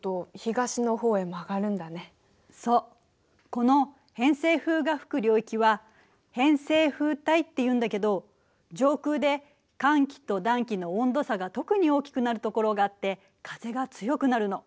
この偏西風が吹く領域は「偏西風帯」っていうんだけど上空で寒気と暖気の温度差が特に大きくなるところがあって風が強くなるの。